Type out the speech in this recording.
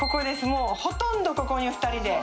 もうほとんどここに２人で。